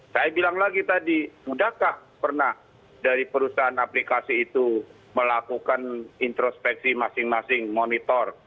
saya bilang lagi tadi sudahkah pernah dari perusahaan aplikasi itu melakukan introspeksi masing masing monitor